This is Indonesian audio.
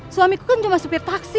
suamiku kan cuma supir taksi